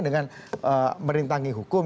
dengan merintangi hukum